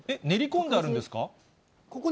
練り込んであるんですか？